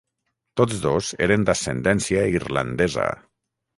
Tots dos eren d'ascendència irlandesa.